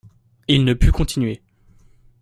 Il ne put continuer.